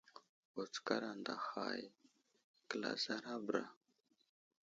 Wutskar anday hay kəlazara a bəra.